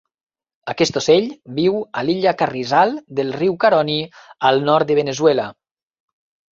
Aquest ocell viu a l'illa Carrizal del riu Caroni, al nord de Venezuela.